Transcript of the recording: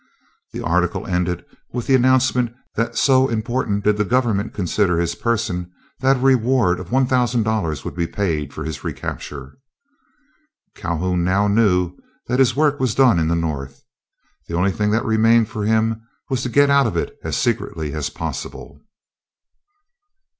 The article ended with the announcement that so important did the government consider his person that a reward of one thousand dollars would be paid for his recapture. Calhoun now knew that his work was done in the North. The only thing that remained for him was to get out of it as secretly as possible.